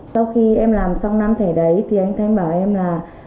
sau khi em làm xong năm thẻ đấy thì em thanh bảo em là